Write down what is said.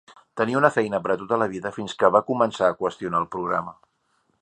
Tenia una feina per a tota la vida fins que va començar a qüestionar el programa